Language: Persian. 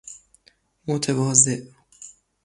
متواضع